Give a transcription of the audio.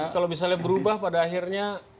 kalau misalnya berubah pada akhirnya